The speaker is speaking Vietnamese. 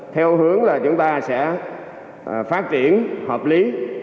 theo hướng là chúng ta sẽ phát triển hợp lý